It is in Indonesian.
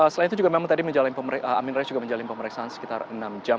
selain itu juga memang tadi amin rais juga menjalin pemeriksaan sekitar enam jam